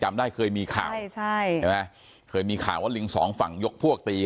จำได้เคยมีข่าวใช่เสมีข่าวถ้าลิงสองฝั่งยกพวกตี